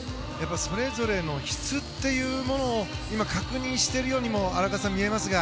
それぞれの質というものを今、確認しているようにも荒川さん、見えますが。